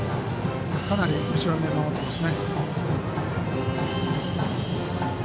かなり後ろで守っています。